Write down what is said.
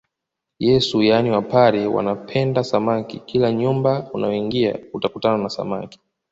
Yesu yaani wapare wanapenda samaki kila nyumba unayoingia utakutana na samaki